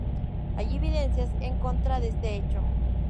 Hay evidencias en contra de este hecho.